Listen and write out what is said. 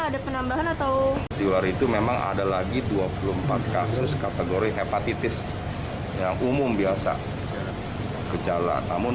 ada penambahan atau di luar itu memang ada lagi dua puluh empat kasus kategori hepatitis yang umum biasa kejala namun